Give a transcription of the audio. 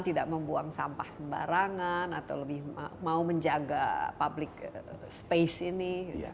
tidak membuang sampah sembarangan atau lebih mau menjaga public space ini